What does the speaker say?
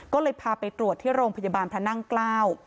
ก็เลยพาไปตรวจที่โรงพยาบาลพระนั่งเกล้า